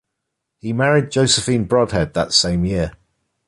He married Josephine Brodhead that same year.